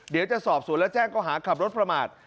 เดี๋ยวจะสอบสวนและแจ้งก็หาขับรถประมาท